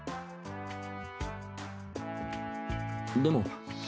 でも。